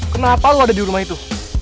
kenapa lo ada di rumah itu